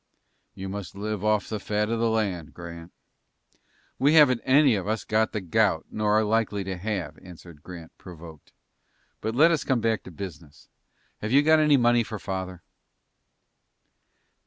"You must live on the fat of the land, Grant." "We haven't any of us got the gout, nor are likely to have," answered Grant, provoked. "But let us come back to business. Have you got any money for father?"